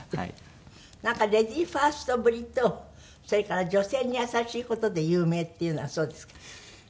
なんかレディーファーストぶりとそれから女性に優しい事で有名っていうのはそうですか？